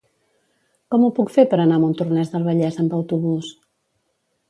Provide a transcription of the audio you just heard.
Com ho puc fer per anar a Montornès del Vallès amb autobús?